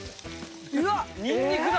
うわっニンニクだ。